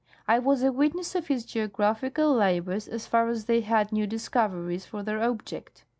I was a witness of his geographical labors as far as they had new discoveries for their object.